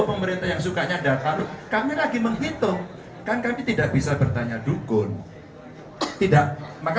pemerintah yang sukanya data kami lagi menghitung kan kami tidak bisa bertanya dukun tidak maka